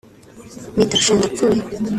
Mita Sha ndapfuye